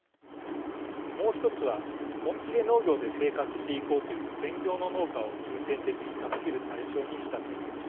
もう１つは本気で農業で生活していこうという専業の農家を重点的に助ける対象にした点です。